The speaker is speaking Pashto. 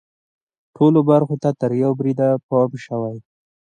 ټولو برخو ته تر یوه بریده پام شوی.